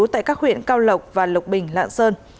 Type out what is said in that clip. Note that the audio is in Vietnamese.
tại các huyện cao lộc và lộc bình lạng sơn